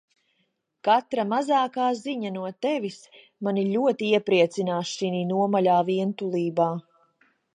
Katra mazākā ziņa no Tevis mani ļoti iepriecinās šinī nomaļā vientulībā.